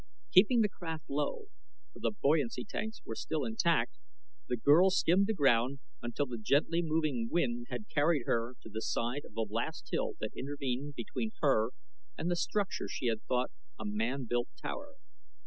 Keeping the craft low, for the buoyancy tanks were still intact, the girl skimmed the ground until the gently moving wind had carried her to the side of the last hill that intervened between her and the structure she had thought a man built tower.